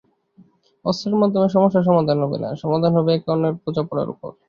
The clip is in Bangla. অস্ত্রের মাধ্যমে সমস্যার সমাধান হবে না, সমাধান হবে একে অন্যের বোঝাপড়ার ওপর।